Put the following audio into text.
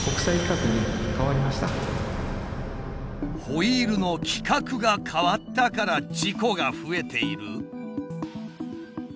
ホイールの規格が変わったから事故が増えている？